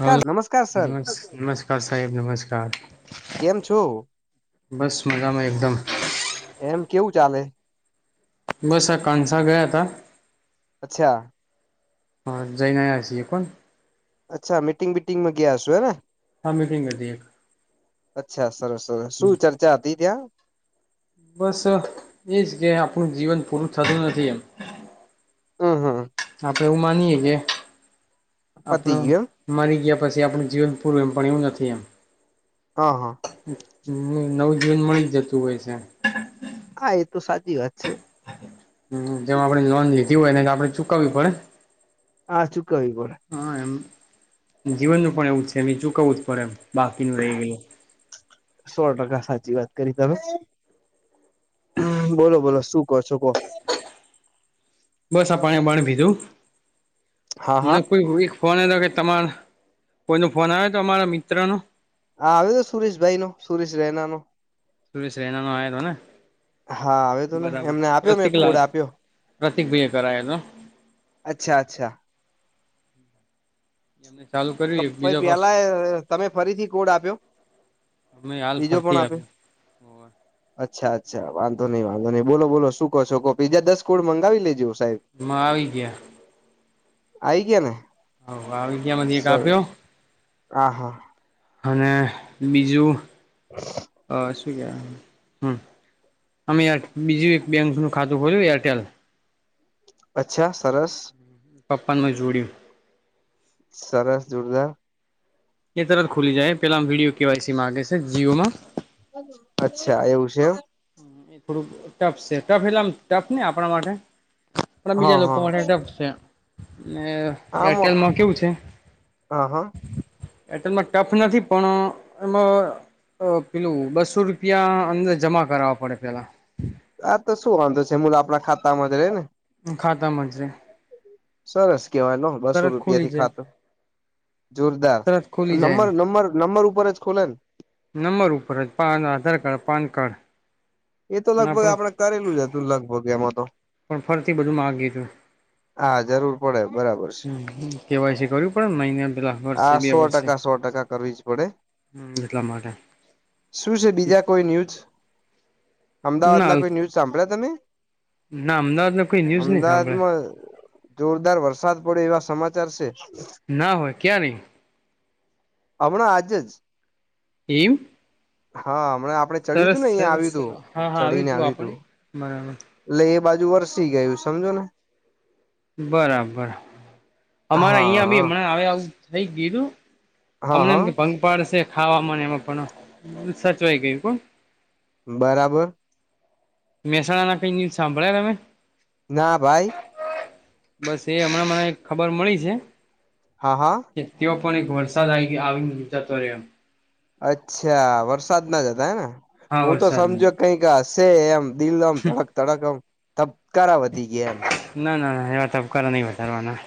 હ નમસ્કાર સર નમસ્કાર સાહેબ નમસ્કાર. કેમ છો બસ મજામાં એકદમ. એમ કેવું ચાલે. બસ આ કંસા ગયા હતા. અચ્છા. હ જઈને આયા હશે એ પણ. અચ્છા મીટિંગ બિટિંગમાં ગયા હશો હે ને. હા મિટિંગ હતી એક. અચ્છા સરસ સરસ શું ચર્ચા હતી ત્યાં? બસ એજ કે આપણું જીવન પૂરું થતું નથી એમ હ હા. એવું માનીએે કે આપડે પતી ગયું મરીગયા. પછી આપણું જીવન પૂરું એમ ભ્યું નથી એમ. આ હા [unintelligible] નવ જૂન મળી જ જતું હોય છે. હા એ તો સાચી વાત છે. હ જેમ આપણે લોન લીધી હોય ને તો આપડે ચુકવવી પડે. હા ચુકવવી પડે. હા એમ જીવનનું પણ એવું છે એમ ચુંકવું જ પડે એમ. બાકીનું રહી ગયેલું સો ટકા સાચી વાત. કરી તમે બોલો બોલો શું કહો છો કો? બસ આ પાણી બાણી પીધું હા મને હા હા કોઈ ફોન તો કે તમાર કોઈનો ફોન આવે તો અમારા મિત્રનો? હા આવે તો સુરેશભાઈ નો સુરેશ રૈના નો. સુરેશ રૈના નો આયો હતો ને હા આવે તો ને બરાબર એમને આપ્યો મેં કોડ પ્રતિકલાલ આપ્યો પ્રતિક ભાઈ કરાયા તો. અચ્છા અચ્છા. એમને ચાલુ કર્યું એક ભાઈ બીજો પાસો પેલા તમે ફરીથી કોડ આપ્યો? અમે હાલ બીજો પણ ફરતી આપ્યો આપ. અચ્છા અચ્છ વાંધો નહી વાંધો નહી બોલો બોલો શું કો બીજા દસ [unintelligible] આવી ગયા. આઈ ગયા ને. હ આવી સર [unintelligible] હા હા. અને બીજું અ. હ અમે બીજું એક બેંક નું ખાતું ખોલ્યું એરટેલ. અચ્છા સરસ. પપ્પા [unintelligible] સરસ જોરદાર. એ તરત ખુલી જાય પેલા વિડીયો કેવાયસી માંગે છે જીઓમાં. અચ્છા એવું છે એમ. એ થોડુંક ટફ છે ટફ એટલે આમ ટફ નહી આપણા માટે પણ હા બીજા લોકો હા માટે ટફ છે. આમ એટેલમાં કેવું છે? હા હા એટેલમાં ટફ નથી પણ એમાં પેલું બસો રૂપિયા અંદર જમા કરવા પડે પેલા. આ તો શું વાંધો છે હમ આપણા ખાતામાં જ રે ને ખાતા મજે સરસ વાય બસો રૂપિયાથી જાય ખાતું જોરદાર તરત ખુલી જાય નંબર એમ નંબર નંબરર ઉપ જ ખોલન નંબર ઉપર જ PAN Aadhaar card PAN card એ તો અને લગભગ આપણે આપડે કરેલું જ હતું લગભગ એમાં તો પણ ફરીથી બધું માગયુ હતું હા જરૂર પડે બરાબર છે કેવાય છે કર્યું પડેને નને પેલા વર્ષે આ બે સો વર્ષે ટકા સો ટકા કરવી જ પડે હમ એટલા માટે શું છે બીજા કોઈ ન્યૂઝ અમદાવાદ ના કોઈ ન્યૂઝ સાંભળ્યા તમે ના અમદાવાદમાં કોઈ ન્યૂઝ નહી સાંભળે અમદાવાદમાં જોરદાર વરસાદ પડે એવા સમાચાર છે ના હોય ક્યાંરે હમણાં આજે જ એમ હા હમણા આપડે ચડ્યું સરસ તું ને અહિયાં સરસ આવ્યું તું હા હા ચડીને આવ્યું તું આપણે બરાબર લે એ બાજુ વરસી ગયું સમજો ને બરાબર અમારે અહીયાં બી હા હમણાં આવે આવું થઈ ગીું હા અમને એમ હા કે ભંગ પાાડશે ખાવાવામાં એમાં પણ સચવાઈ ગયું કો બરાબર મેશહાણના કઈ ન્યૂઝ સાંભળ્યા રામે ના ભાઈ બસ એ હમણાં મને ખબર મળી છે હા હા કે તેઓ પણ એક વરસાદ આવી આવીનેતાતોમ અચ્છા વરસાદ ના જ હતા હે ને હા હું તો વરસાદને સમજો કઈક હશે એમ દિલ આમ તડક તડક આમ ધબકારા વધી ગયા એમ ના ના ના એવા તબકારા નહી વધારવાના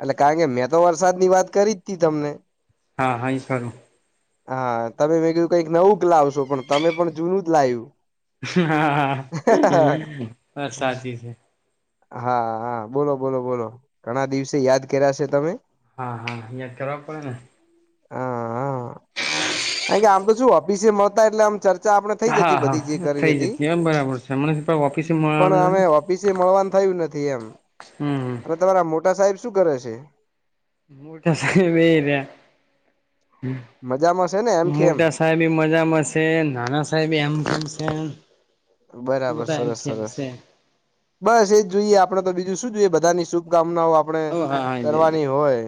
એટલે કારણ કે મેં તો વરસાદ ની વાત કરી જ તી તમને હા હા ઈ જ ક્રૂર હા તમે મેં કયું કઈક નવુંક લાવશો પણ તમે પણ જૂનું જ લાવ્યું હા હ બ સાચી છે હા હા બોલો બોલો બોલો ઘણા દિવસે યાદ કર્યાશે તમે હા હા યાદ જ કરવા પડે ને હા હા કારણ કે આમ તો શું ઓફિસે મળતા હતા એટલે આમ ચર્ચા ચર્ચા આપણે થઈ હા જતી બધી જે હા થઈ કરવી હતી જતી બરાબર છે મને ઓફિસે પણ મળવાનું અમે નથી ઓફિસે મળવાનું થ નથી એમ હમ અને તમારા મોટા સાહેબ શું કરે છે મોટા સાહેબ એ રહ્યા મજામાં છે ને એમ કેમ મોટા સાહેબે મજામાંશે નાના સાહેબે એમ કરશે બરાબર સરસ સરસ બસ એજ જોઈએ આપડે તો બીજું શું જોઈએ બધાની શુભકામ કામનાઓ આપણે હા હા બધા કરવાની હોય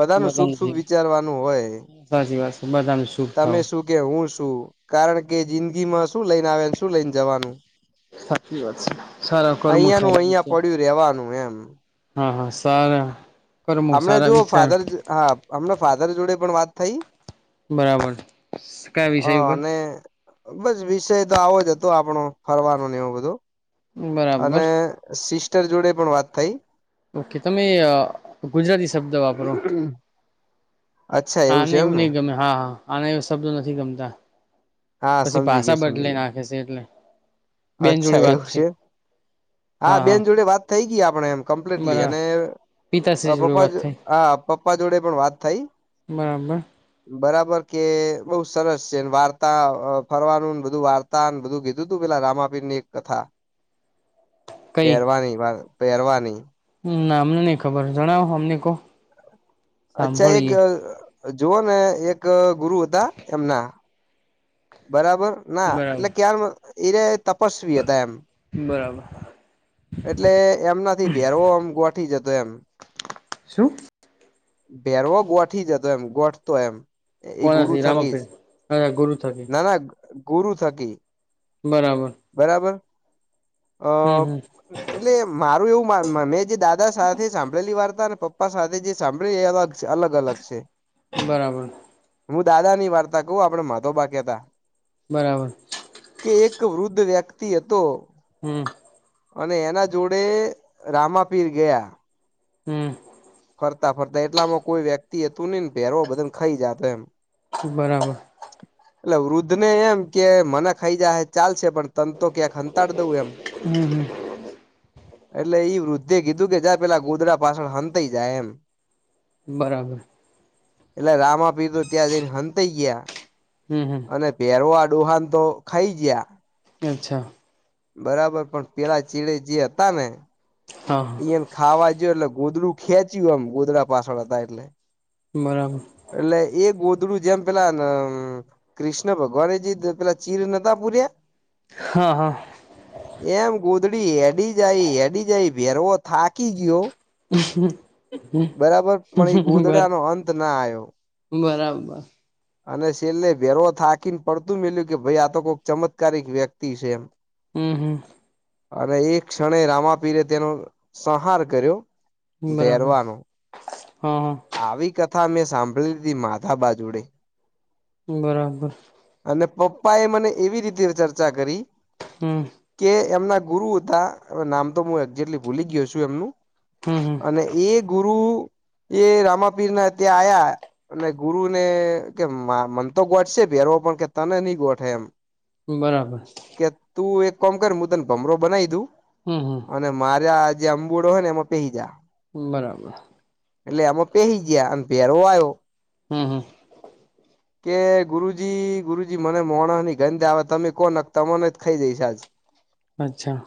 બધાનું શુભ શુભ વિચારવાનું હોય સાચી વાત છે બધાને શુભ તમે થવું શું કે હું શું કારણ કે જિંદગીમાં શું લઈને આવ્યા ને શું લઈને જવાનું સાચી વાત છે સારા કર્મો અહિયાંનું અહિયાં સારા પડ્યું રેવાનું એમ હા હા સારા કર્મો હમણા સારા જો વિચાર ફાધર હા હમણાં ફાધર જોડે પણ વાત થઈ બરાબર કયા અ વિષય ઉપર અને બસ વિષય તો આવો જ હતો આપણો ફરવાનો ને એવું બધો. બરાબર અને સિસ્ટર જોડે પણ વાત થઈ. ઓકે તમે અ ગુજરાતી શબ્દ વાપરો અચ્છા હા છે નહી એવું એમને નહી ગમે હા હા. આના એ શબ્દો નથી ગમતા હા પછી સમજી ગયો પાસા સમજી બદલિ ગયો નાખે છે એટલે. બેન અચ્છા જોડે વાત એવું થઈ છે. હા બેન જોડે વાત થઈ ગઈ આપણેે એમ. કમ્પ્લીટલી બરાબર અને પિતાશ્રી જોડે પપ્પા વાત થઈ હા પપ્પા જોડે પણ વાત થઈ. બરાબર. બરાબર કે બઉુ સરસ છે. વાર્તા ફરવાનુંને બધું વાર્તા બધું કીધું તું પેલા રામાપીર. ની એક કથા કઈ પહેરવાની પહેરવાની. હમ ના અમને નહી ખબર જણાવો અમને કો. અચ્છા એક જુઓ ને એક ગુરુ હતા એમના બરાબર ના એટલે બરાબર ક્યા એક. તપસ્વી હતા એમ બરાબર એટલે એમનાથી ભેરવોમ ગોઠી જતા. તો એમ શું. ભેરવો ગોઠી જતો એમ ગોઠતો એમ. એ ગુરુ કોનાથી થકી જ રામાપીર અચ્છા ગુરુ થકી ના ના ગુરુ થકી બરાબર બરાબર અ હમ હમ એટલે મારું એવું મેં જે દાદા સાથે સાંભળેલી વાર્તાઓ અને પપ્પા સાથે જે સાંભળ્યું એ અલગ અલગ અલગ છે. બરાબર. હું દાદા ની વાર્તા કહું આપડે માધો બા‌ કેતા હતા. બરાબર. એક વૃદ્ધ વ્યક્તિ હતો. હમ અને એના જોડે રામાપીર ગયા. હમ. ફરતા ફરતા એટલામાં કોઈ વ્યક્તિ એ હતું નહીં ને ભેહેરવો બધાને ખાઈ જાતો એમ. બરાબર. એટલે વૃદ્ધ ને એમ કે મને ખાઈ જાય ચાલશે પણ તંને તો ક્યાંક સંતાડી દવં એમ. હમ [unintelligible] એટલે એ વૃદ્ધે કીધું કે જં પેલા ગોદડાં પાછળ સંતાઈ જાય એમ. બરાબર. એટલે રામા પીર તો ત્યાં જઈને સંતાઈ ગયા હમ હમ અને પહેરવાં. ડુહાન તો ખાઈ જયા. અચ્છા. બરાબર પણ પેલા ચીડે જે હતા ને હા હા એમ ખાવા જો એટલે. ગોધડું ખેંચ્યું એમ ગોધડા પાછળ હતા એટલે બરાબર એટલે એ ગોદડું. ગોદડું જેમ પેલા કૃષ્ણ ભગવાન જે પેલા ચીર નોતા પૂર્યા. હા હા એમ ગોદડી અડી જાય અડી જાય. ભેરવો થાકી ગયો. હ [unintelligible] બરાબર પણ એ ગોધડાનો અંત ના આવ્યો. બરાબર. અને છેેલ્લે ભેરવો થાકીને પડતું મેલ્યું કે ભાઈ આ તો કોઈક ચમત્કારિક વ્યક્તિ છે. એમ. હમ હમ. અને એક ક્ષણે રામાપીરે તેનો સંહાર કર્યો બરાબર બેરવાનો હા હા આવી કથા મેં સાંભળી હતી માધા બા જોડે બરાબર અને પપ્પા એ મને એવી રીતે ચર્ચા કરી હમ કે એમના ગુરુ હતા નામ તો હું એક્ઝેક્ટલી ભૂલી ગયો છું. એમનું હમ હમ અને એ ગુરુ એ રામાપીર ના ત્યાં આયા અને ગુરુને કે મન તો ગોટશે ભેરો પણ કે તને નહીં ગોઠે એમ બરાબર. કે તું એક કોમ કર હું તને ભમરો બનાવી દઉ હમ હમ અને મારે આ જે અંબુડો હોય ને એમાં પેહી જા. બરાબર. એટલે આમાં પેહી ગયા અને પહેરો આવ્યો. હમ હમ કે ગુરુજી ગુરુજી મને માણસની ગંધ આવે તમે કો ને તમને જ ખાઈ જઈશ આજ. અચ્છા.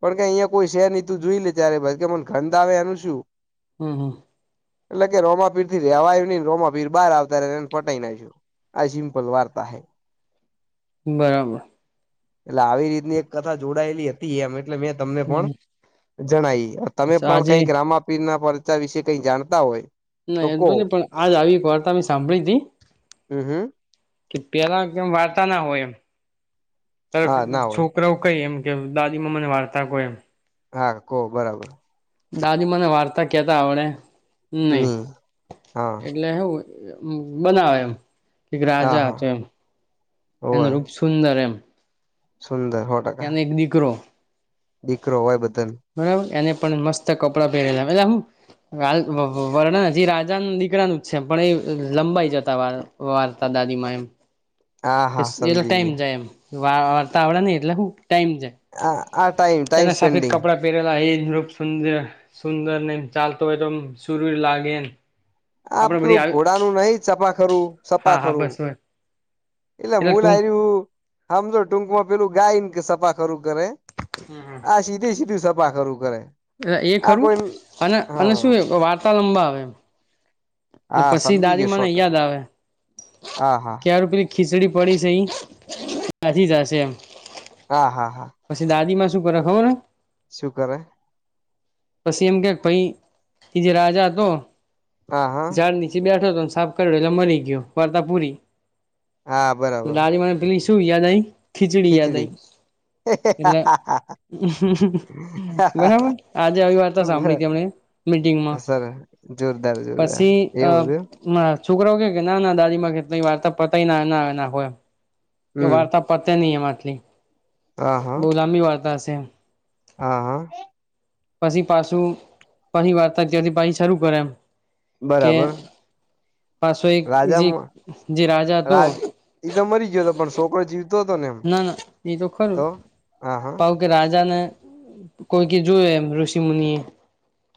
પણ કે અહીંયા કોઈ છે નહિ તું જોઈ લે ત્યારે કે મને ગંધ આવે એનું શું? હમ હમ. એટલે કે રોમાપીરથી રેવાયું નહી રોમાપીર બહાર આવતા એને ફટાઈ ને આઈ ગયું. આ સિમ્પલ વાર્તા છે. બરાબર. એટલે આવી રીતની એક કથા જોડાયેલી હતી એમ એટલે મેં તમને પણ હમ જણાઇ. તમે પણ આજે કઈક રામાપીર ના પરચા વિશે કઈ જાણતા હોય. ના એમ તો નહી પણ આજ આવી એક વાર્તા મેં સાંભળી હતી. હમ હમ. કે પેલા કેમ વાર્તા ના હોય એમ હા ના હોય છોકરાઓ કઈ એમ કે દાદીમાં મને વાર્તા કો એમ. હા કો બરાબર. દાદી મને વાર્તા કેતા આવડે નહી ની હા એટલે શું. બનાવે એમ. એક હા રાજા હા હતો એમ હોવે એનું રૂપ સુંદર એમ. સુંદર સો ટકા. એનો એક દીકરો દીકરો હોય બધાને બરાબર એને પણ મસ્ત કપડાં પહેરેલા એલા હું વર્ણન હજી રાજા દીકરાનું જ છે પણ એ લંબાઈ જતા વાર્તા. દાદીમાં એમ હા હા એ સમજી ટાઈમ ગયા જાય એમ વાર્તા આવડે નહ એટલે હું. ટાઈમ છે આ આ ટાઈમ ટાઈમ તેને સાફેદ સ્પેન્ડિંગ કપડા પહેરેલા એ સુંદર સુંદર ને ચાલતો હોય તો સુર લાગે એમ આપડે બધી આપલું આવી ઘોડાનું નહીિ સપા ખરું હા હા સફાખરું બસ બસ એટલે મલ આ્યું સમજો ટૂંકમાં પેલું ગાય સફા ખરું કરે આ સીધે સીધું સફા ખરું કરે. એ આ ખરું કોઈ અને અને શું હા એ વાર્તા લંબાવે એમ. હા પછી સમજી દાાદી ગયો સો મને યાદ ટકા આવે હા હા કે યાર પેલી ખીચડી પડી છે એ દાજી જશે એમ. હા હા હા પછી દાદી માં શું કરે ખબર છે? શું કરે? પછી એમ કે પાઈ એ જે રાજા હતો હા હા ઝાડ નીચે બેઠો હતો. સાફ કર્યો એટલે મરી ગયો વાર્તા પુરી. હા બરાબર. શું યા નહીં. ખીચડી યાદ આવી એટલે બરાબર. આજે આવી વાર્તા સાંભળી હતી એમણે મીટિંગમાં સર જોરદાર જોરદાર પછી એવું હતું અ છોકરો કે કે ના દાદીમાં કેટલીય વાર્તા પતાય ના એના એના હોય. એ હમ વાર્તા પતે નહીં એમ આટલી હા હા બહુ લાંબી વાર્તા હશે એમ. હા હા પછી પાછું પછી વાર્તા ત્યાંથી પછી શરૂ કરે એમ. કે બરાબર. પાછો એક જે રાજામાં જે રાજા હતો રાજ એ તો મરી ગયોતો પણ છોકરો જીવ ના ના એ તો ખરું હા હા પાહુ કે રાજાને કોઈકે જોય એમ ઋષિ મુનિએ.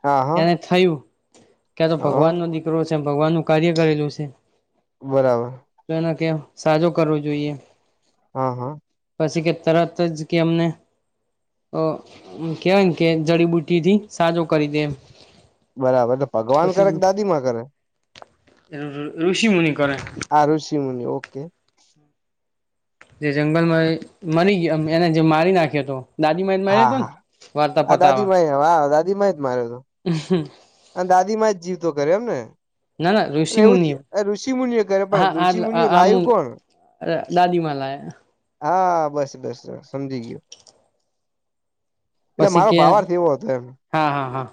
હા હા એને થયું ક્યાં તો હા ભગવાનનો દીકરો છે ભગવાનનું કાર્ય કરેલું છે. બરાબર. ના ત્યાં કે સાજો કરવો જોઈએ. હા હા. પછી કે તરત જ કે અમને તો કેવાયન કે જડીબુટીથી સાજો કરી દે એમ. બરાબર તો ભગવાન કરે કે દાદીમાં કરે. રૂ-ઋ-ઋષિમુનિ. આ રઋષિમુનિ. ઓકે. જે જંગલમાં મરી ગયો એને જે મારી નાખ્યોતો. દાદીમાં એ જ હા માર્યોતોન હા વાર્તા આ દાદી પતાવા. માં [inaudible] દાદીમાં એ જ જીવતો કર્યો એમને? ના ના ઋષિ એવું મુનિ ઋષિ મુનિઓ કરે પણ ઋષિ મુનિઓ લાયુ કોણ? અ દાદીમા લાયા. હા હા બસ બસ બસ સમજી ગયો. એટલે પછી મારો કે ભાવાર્થ એવો હતો એમ. હા હા હા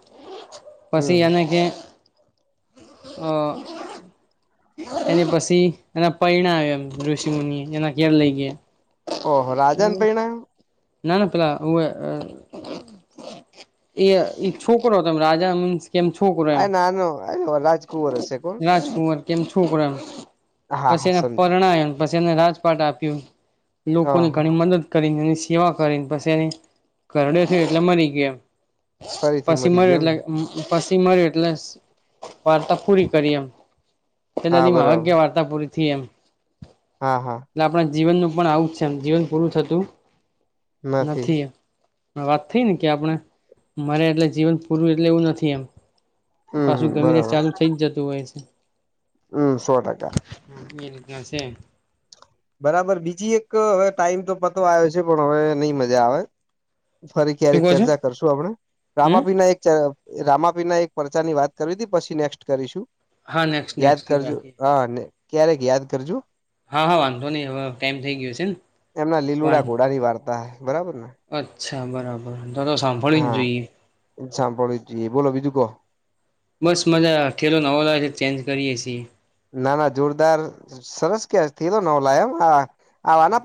પછી હમ એને કે, અ એની પછી એના પાયણાયો એમ ઋષિ મુનિએ. એના ઘેર લઈ ગયા. ઓ હો રાજા ન પાયણાયો? ના ના પેલા અ અ એ એક છોકરો હતો. રાજા મીન્સ કે છોકરો એમ. અ રાજકુવર હશે કોણ? રાજકુંવર કેમ છોકરો એમેં. હા પછી હા એને સમજી પરણાયો. પછી એને રાજપાટ આપ્યું. હા લોકોની હા ઘણી મદદ કરીને સેવા કરીને પછી એની ઘરડો થયો એટલે મરી ગયો એમ. ફરીથી પસી મરી મર્યો ગયો એટલે એમને [unintelligible] પછી મર્યો એટલે વાર્તા પૂરી કરી એમ. કે હા દાદીમાં હવે બરાબર કે વાર્તા પૂરી થી એમ. હા હા. એટલે આપણા જીવનનું પણ આવું જ છે એમ. જીવન પૂરું થતું નથી. વાત થઈ ને કે આપણે મરે એટલે જીવન પૂરું એટલે એવું નથી એમ. હમ પાછું હમ ગમે તે બરાબર ચાલુ થઇ જતું હોય છે. હમ સો ટકા. એ રીતના છે એમ. બરાબર, બીજી એક હવે ટાઈમ તો પતવા આયો છે પણ હવે નહી મજા આવે. ફરી શું ક્યારેક કહો છો ચર્ચા કરશું આપણે. હમ રામાપીરના એક ચે રામાપીરના એક પરચાની વાત કરવીતી, પછી નેક્સ્ટ કરીશું. હા નેક્સ્ટ યાદ નેક્સ્ટ કરજો. રાખીએ હ અને ક્યારેક યાદ કરજો. હા હા વાંધો નહી હવે ટાઈમ થઈ ગયો છે ને એમના વાન લીલુડા ઘોડાની વાર્તા બરાબર ને? અચ્છા બરાબર તો તો સાંભળી જ જોઈએ સાંભળ્યું જોઈએ બોલો બીજું કહો બસ મજાઠેલો નવો લાગે છે ચેન્જ કરીએે છીએ ના ના જોરદાર સરસ ક થો નવ લ એમના પ